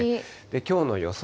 きょうの予想